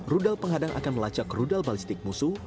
rudal penghadang akan melacak rudal balistik musuh